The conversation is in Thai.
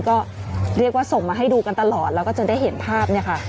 ก็เรียกว่าส่งมาให้ดูกันตลอดแล้วก็จะได้เห็นภาพเนี่ยค่ะ